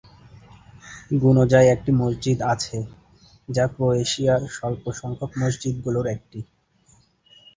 গুনজায় একটি মসজিদ আছে, যা ক্রোয়েশিয়ার স্বল্পসংখ্যক মসজিদগুলোর একটি।